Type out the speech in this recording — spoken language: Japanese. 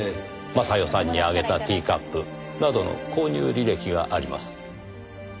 雅代さんにあげたティーカップなどの購入履歴があります。